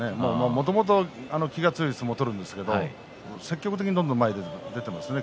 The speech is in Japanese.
もともと気が強い相撲を取るんですけど積極的にどんどん前に出ていますね